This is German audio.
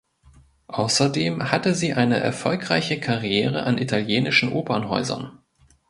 Außerdem hatte sie eine erfolgreiche Karriere an italienischen Opernhäusern.